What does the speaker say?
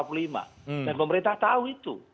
dan pemerintah tahu itu